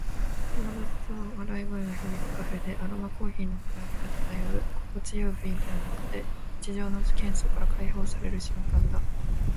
友達との笑い声が響くカフェで、アロマコーヒーの香りが漂う。心地よい雰囲気の中で、日常の喧騒から解放される瞬間だ。